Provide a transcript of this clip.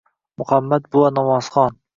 Muhammad buva namozxon